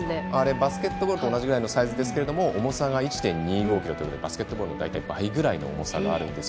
バスケットボールと同じぐらいのサイズですが重さが１．２５ｋｇでバスケットボールの大体倍くらいの重さがあるんです。